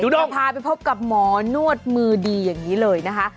เดี๋ยวพาไปพบกับหมอนวดมือดีอย่างนี้เลยนะคะ